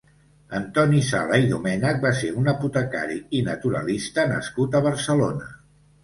Antoni Sala i Domènech va ser un apotecari i naturalista nascut a Barcelona.